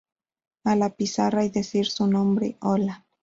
a la pizarra y decir su nombre. hola.